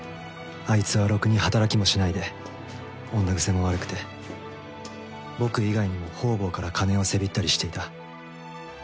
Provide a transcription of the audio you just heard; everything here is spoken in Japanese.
あいつはろくに働きもしないで女癖も悪くて僕以外にも方々から金をせびったりしていた。